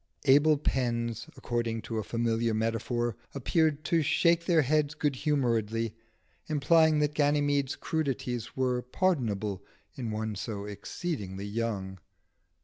Able pens (according to a familiar metaphor) appeared to shake their heads good humouredly, implying that Ganymede's crudities were pardonable in one so exceedingly young.